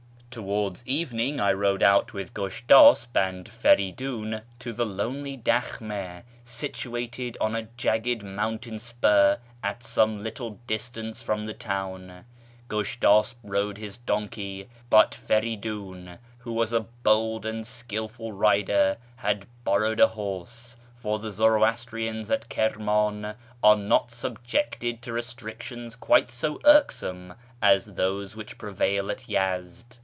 Towards evening I rode out with Gushtasp and Feridun to the lonely dak]i7ii6 situated on a jagged mountain spur at some little distance from the town. Gushtasp rode his donkey ; but Feridun, who was a bold and skilful rider, had borrowed a horse, for the Zoroastrians at Kirman are not subjected to restrictions quite so irksome as those which prevail at Yezd.